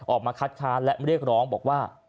ออกมาคัดค้านและเรียกร้องบอกว่า